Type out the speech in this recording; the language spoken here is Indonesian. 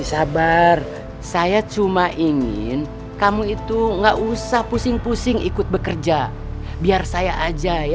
eh sabar desy sabar saya cuma ingin kamu itu gak usah pusing pusing ikut bekerja biar saya bisa menangani bisnis ini ya